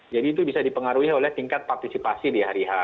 jadi itu bisa dipengaruhi oleh tingkat partisipasi di hari h